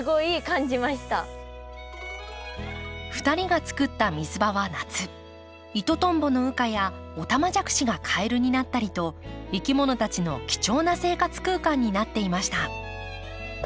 ２人が作った水場は夏イトトンボの羽化やオタマジャクシがカエルになったりといきものたちの貴重な生活空間になっていました。